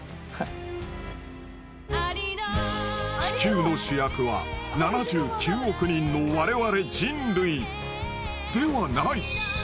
地球の主役は７９億人の我々人類ではない。